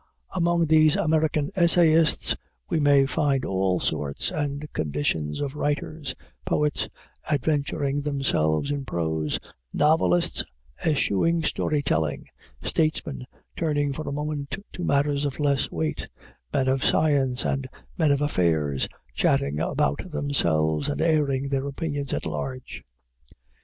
Among these American essayists we may find all sorts and conditions of writers, poets adventuring themselves in prose, novelists eschewing story telling, statesmen turning for a moment to matters of less weight, men of science and men of affairs chatting about themselves and airing their opinions at large.